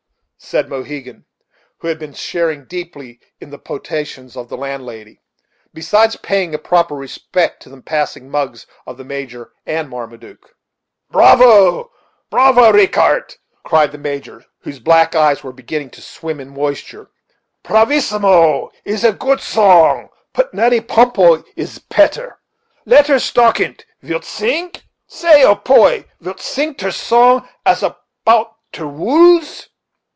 said Mohegan, who had been sharing deeply in the potations of the landlady, besides paying a proper respect to the passing mugs of the Major and Marmaduke. "Bravo! pravo! Richart," cried the Major, whose black eyes were beginning to swim in moisture; "pravisimo his a goot song; put Natty Pumppo has a petter. Letter Stockint, vilt sing? say, olt poy, vilt sing ter song as apout ter wools?"